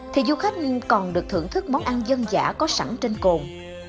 thì du khách còn được thưởng thức món ăn dân giả có sẵn trên cồn